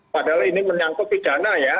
padahal ini menyangkut pidana ya